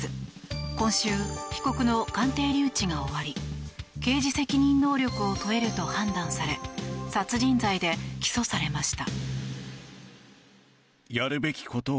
今週、被告の鑑定留置が終わり刑事責任能力を問えると判断され殺人罪で起訴されました。